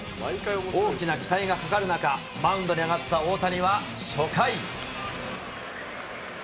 大きな期待がかかる中、マウンドに上がった大谷は初回。